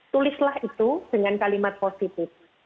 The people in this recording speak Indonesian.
tulislah itu dengan kalimat positif